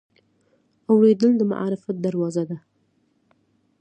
اورېدل د معرفت دروازه ده.